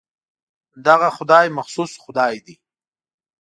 دغه خدای مخصوص خدای دی.